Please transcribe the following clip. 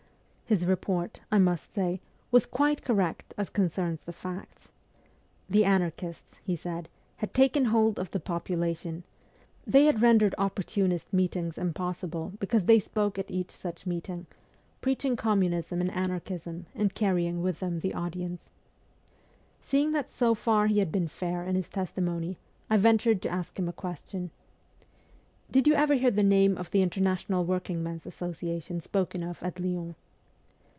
His report, I must say, was quite correct as concerns the facts. The anarchists, he said, had taken hold of the population, they had rendered 264 MEMOIRS OF A REVOLUTIONIST opportunist meetings impossible because they spoke at each such meeting, preaching communism and anar chism, and carrying with them the audiences. Seeing that so far he had been fair in his testimony, I ventured to ask him a question :' Did you ever hear the name of the International Workingmen's Associa tion spoken of at Lyons